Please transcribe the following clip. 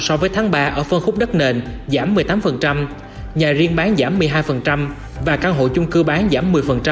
so với tháng ba ở phân khúc đất nền giảm một mươi tám nhà riêng bán giảm một mươi hai và căn hộ chung cư bán giảm một mươi